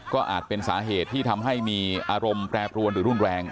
ก็อาจเป็นสาเหตุที่ทำให้มีอารมณ์แปรปรวนหรือรุนแรง